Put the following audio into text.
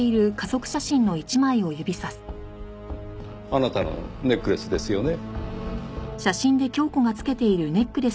あなたのネックレスですよね？